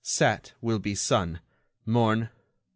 Sat. Will be Sun. morn.